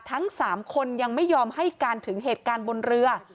ทั้ง๓คนยังไม่ยอมให้การถึงเหตุการณ์บนเรือ